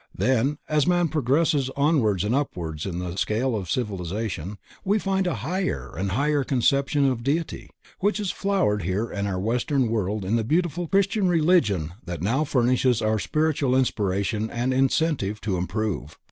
Then, as man progresses onwards and upwards in the scale of civilization, we find a higher and higher conception of Deity, which has flowered here in our Western World in the beautiful Christian religion that now furnishes our spiritual inspiration and incentive to improve.